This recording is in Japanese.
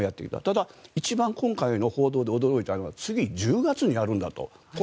ただ、一番今回の報道で驚いたのは次、１０月にやるんだと。